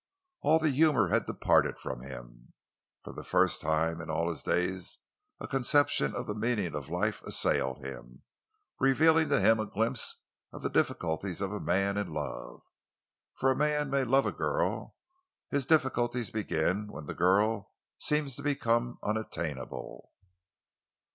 All the humor had departed from him. For the first time in all his days a conception of the meaning of life assailed him, revealing to him a glimpse of the difficulties of a man in love. For a man may love a girl: his difficulties begin when the girl seems to become unattainable.